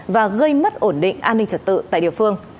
và gây mất ổn định an ninh trật tự tại địa phương